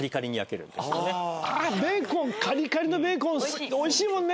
あカリカリのベーコンおいしいもんね。